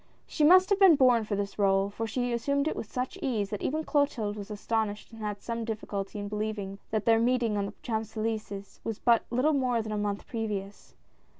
She must have been born for this r61e, for she assumed it with such ease, that even Clotilde was astonished and had some difficulty in believing that their meeting on the Champs Elys^es was but little more than a month previous.